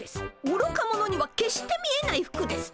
おろか者には決して見えない服です。